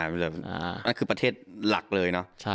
นั่นคือประเทศหลักเลยเนอะ